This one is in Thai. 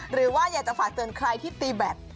หรือว่าอยากจะฝากเตือนใครที่ตีแบต